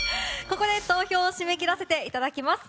ここで投票を締め切らせていただきます。